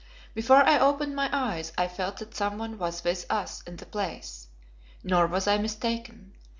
Before I opened my eyes I felt that some one was with us in the place. Nor was I mistaken.